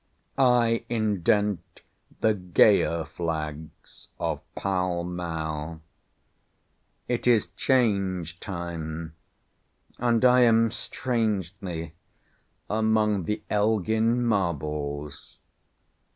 I indent the gayer flags of Pall Mall. It is Change time, and I am strangely among the Elgin marbles.